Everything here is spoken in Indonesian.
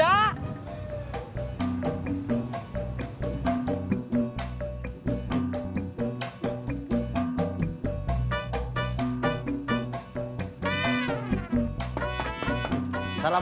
gak tau siapa gitu ya